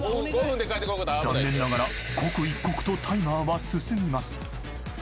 ［残念ながら刻一刻とタイマーは進みます］